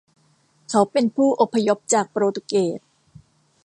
เขาเป็นผู้อพยพจากโปรตุเกส